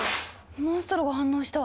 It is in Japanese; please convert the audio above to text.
モンストロが反応した。